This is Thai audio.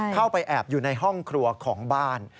เข้าไปแอบอยู่ในห้องครัวของบ้าน